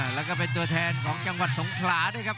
แล้วก็เป็นตัวแทนของจังหวัดสงขลาด้วยครับ